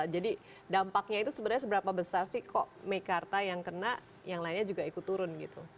dampaknya itu sebenarnya seberapa besar sih kok mekarta yang kena yang lainnya juga ikut turun gitu